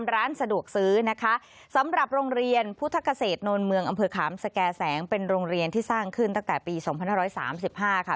และแสงเป็นโรงเรียนที่สร้างขึ้นตั้งแต่ปี๒๕๓๕ค่ะ